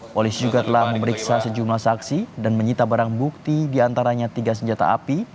polisi juga telah memeriksa sejumlah saksi dan menyita barang bukti diantaranya tiga senjata api